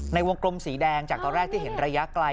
ในวงกลมสีแดงจากตอนแรกที่เห็นระยะไกล